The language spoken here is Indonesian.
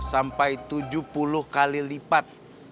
sampai tujuh puluh kali lipat